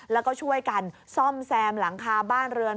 แล้วก็ช่วยกันซ่อมแซมหลังคาบ้านเรือน